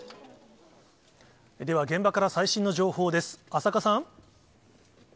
では現場から最新の情報です。